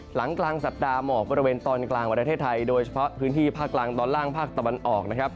หลังกลางสัปดาห์หมอกบริเวณตอนกลางประเทศไทยโดยเฉพาะพื้นที่ภาคกลางตอนล่างภาคตะวันออกนะครับ